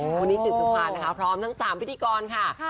คุณนิจจิตสุภารพร้อมทั้ง๓พิธีกรค่ะ